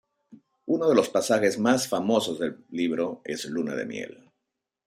Uno de los pasajes más famosos del libro es "Luna de miel".